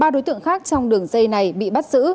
ba đối tượng khác trong đường dây này bị bắt giữ